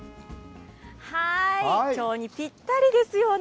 きょうにぴったりですよね。